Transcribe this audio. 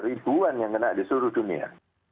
ada ribuan yang kena disuruh dunia